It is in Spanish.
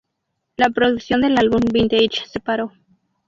La producción del álbum "Vintage" se paró.